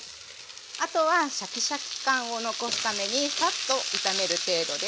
あとはシャキシャキ感を残すためにサッと炒める程度です。